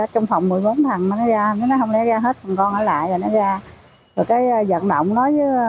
trong phòng một mươi bốn thằng mà nó ra nó không lẽ ra hết phần con ở lại rồi nó ra rồi cái giận động nó ráng cho nó vô lại để cho nó ra sớm